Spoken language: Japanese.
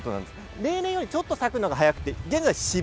例年よりちょっと咲くのが早くて現在四分